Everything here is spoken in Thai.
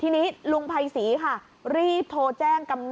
ป้าของน้องธันวาผู้ชมข่าวอ่อน